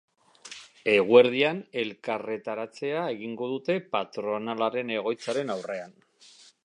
Eguerdian elkarretaratzea egingo dute patronalaren egoitzaren aurrean.